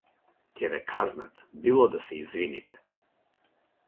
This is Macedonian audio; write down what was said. Ќе ве казнат било да се извините.